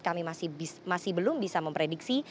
kami masih belum bisa memprediksi